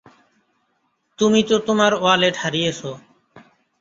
তুমি তো তোমার ওয়ালেট হারিয়েছ।